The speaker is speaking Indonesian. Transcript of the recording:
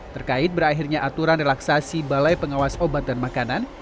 terkait berakhirnya aturan relaksasi balai pengawas obat dan makanan